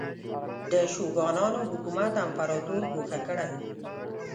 د شوګانانو حکومت امپراتور ګوښه کړی و.